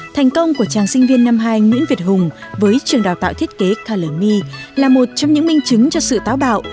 thành công của chàng sinh viên năm hai nguyễn việt hùng với trường đào tạo thiết kế calli là một trong những minh chứng cho sự táo bạo